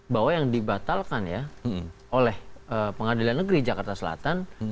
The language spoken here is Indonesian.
bahwa yang dibatalkan ya oleh pengadilan negeri jakarta selatan